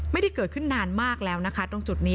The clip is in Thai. ไม่ได้เกิดขึ้นนานมากแล้วนะคะตรงจุดนี้